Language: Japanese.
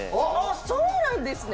そうなんですね！